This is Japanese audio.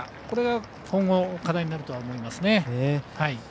これが今後の課題になると思います。